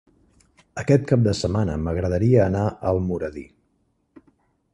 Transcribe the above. Aquest cap de setmana m'agradaria anar a Almoradí.